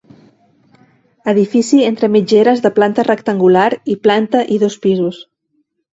Edifici entre mitgeres de planta rectangular i planta i dos pisos.